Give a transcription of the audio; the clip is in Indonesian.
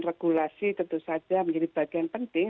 regulasi tentu saja menjadi bagian penting